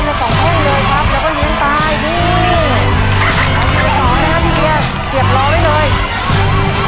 ถ้าเห็นลูกมิ๊กไปไว้เลยครับ